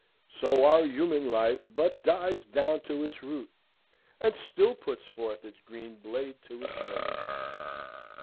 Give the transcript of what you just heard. So our human life but dies down to its root, and still puts forth its green blade to eternity.